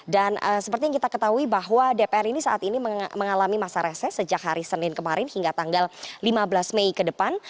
dan seperti yang kita ketahui bahwa dpr ini saat ini mengalami masa reses sejak hari senin kemarin hingga tanggal lima belas mei ke depan